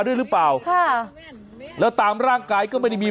โอ้โหโอ้โหโอ้โหโอ้โหโอ้โห